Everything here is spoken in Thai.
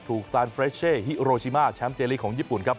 ซานเฟรชเช่ฮิโรชิมาแชมป์เจลีกของญี่ปุ่นครับ